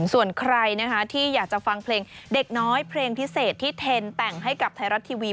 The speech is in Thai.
ส่วนใครนะคะที่อยากจะฟังเพลงเด็กน้อยเพลงพิเศษที่เทนแต่งให้กับไทยรัฐทีวี